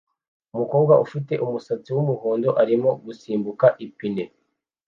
Umukobwa ufite umusatsi wumuhondo arimo gusimbuka ipine